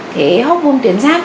thế hormôn tuyến giáp